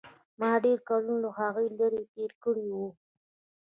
ما ډېر کلونه له هغوى لرې تېر کړي وو.